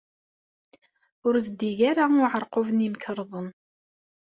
Ur zeddig ara uɛeṛqub n yemkerḍen.